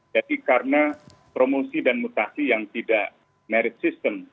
jadi karena promosi dan mutasi yang tidak merit system